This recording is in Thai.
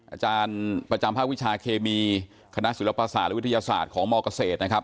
อาจารย์ประจำภาควิชาเคมีคณะศิลปศาสตร์และวิทยาศาสตร์ของมเกษตรนะครับ